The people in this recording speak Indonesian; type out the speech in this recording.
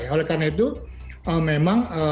oleh karena itu memang